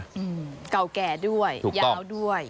อืมเก่าแก่ด้วยยาวด้วย